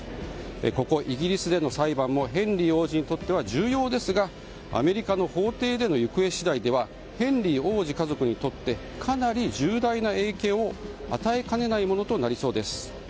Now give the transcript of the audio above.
ここイギリスでの裁判もヘンリー王子にとっては重要ですが、アメリカの法廷での行方次第ではヘンリー王子家族にとってかなり重大な影響を与えかねないものとなりそうです。